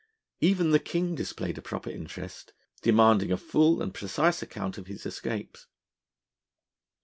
Even the King displayed a proper interest, demanding a full and precise account of his escapes.